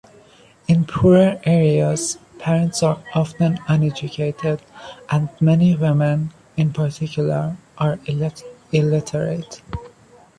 In poorer areas, parents are often uneducated, and many women, in particular, are illiterate.